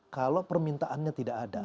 kalau permintaannya tidak ada